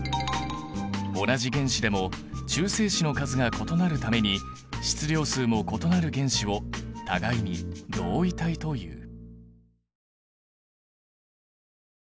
同じ原子でも中性子の数が異なるために質量数も異なる原子を互いに同位体という。